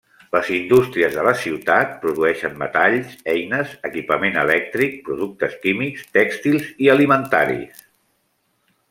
Les indústries de la ciutat produeixen metalls, eines, equipament elèctric, productes químics, tèxtils i alimentaris.